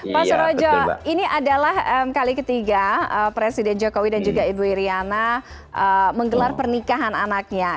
pak surojo ini adalah kali ketiga presiden jokowi dan juga ibu iryana menggelar pernikahan anaknya